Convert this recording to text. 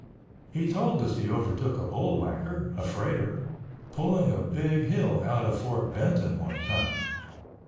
He told us he overtook a bull whacker (a freighter) pulling a big hill out of Fort Benton one time.